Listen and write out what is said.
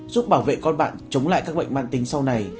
giúp bảo vệ con bạn chống lại các bệnh mạng tính sau này